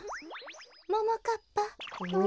ももかっぱ。